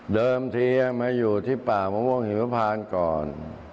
เดิมทีมาอยู่ที่ป่าวงหิวพรานก่อน